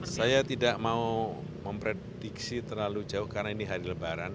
saya tidak mau memprediksi terlalu jauh karena ini hari lebaran